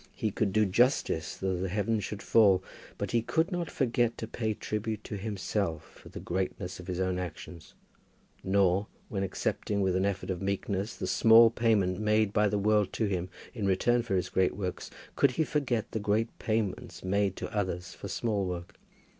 He could do justice though the heaven should fall. But he could not forget to pay a tribute to himself for the greatness of his own actions; nor, when accepting with an effort of meekness the small payment made by the world to him, in return for his great works, could he forget the great payments made to others for small work.